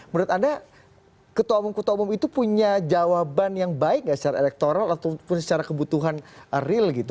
menurut anda ketua umum ketua umum itu punya jawaban yang baik nggak secara elektoral ataupun secara kebutuhan real gitu